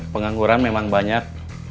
pengangguran memang banyak